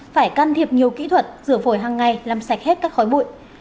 phải can thiệp nhiều kỹ thuật rửa phổi hằng ngày làm sạch hết các khói bụi